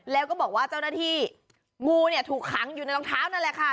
แล้วก็บอกว่าเจ้าหน้าที่งูเนี่ยถูกขังอยู่ในรองเท้านั่นแหละค่ะ